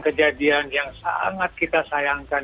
kejadian yang sangat kita sayangkan